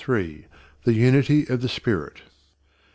III THE UNITY OF THE SPIRIT.